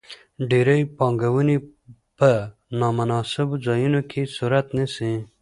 ډېرې پانګونې په نا مناسبو ځایونو کې صورت نیسي.